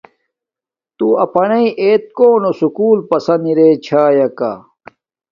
تو اپنݵ ایت کونو سوکول پسند ارے چھاݵیکا،